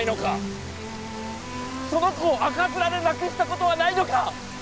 その子を赤面で亡くしたことはないのか！